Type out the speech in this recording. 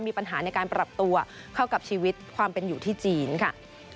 มีปัญหาในการปรับตัวเข้ากับชีวิตความเป็นอยู่ที่จีนค่ะ